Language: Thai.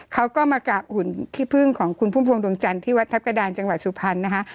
เขาก็มากราบอุ่นขี้พึ่งของคุณพุ่มพวงดวงจันทร์ที่วัดทัพกระดานจังหวัดสุพรรณนะคะ